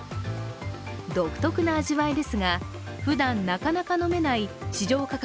独特な味わいですが、ふだんなかなか飲めない市場価格